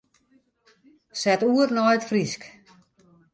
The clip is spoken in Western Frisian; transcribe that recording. Set oer nei it Frysk.